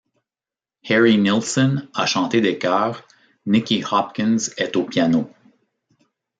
Harry Nilsson a chanté des chœurs, Nicky Hopkins est au piano.